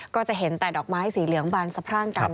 ก็จะเห็นแต่ดอกไม้สีเหลืองบานสะพรั่งกัน